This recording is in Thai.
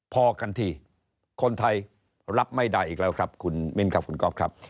พอกันที่คนไทยรับไม่ได้อีกแล้วครับคุณมิ้นครับคุณก๊อฟครับ